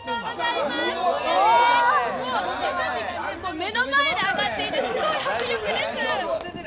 目の前で上がっていてすごい迫力です。